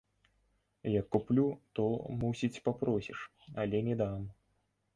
Як куплю, то, мусіць, папросіш, але не дам.